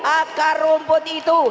akar rumput itu